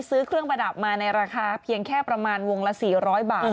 ซื้อเครื่องประดับมาในราคาเพียงแค่ประมาณวงละ๔๐๐บาท